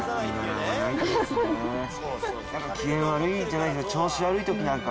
すごいな！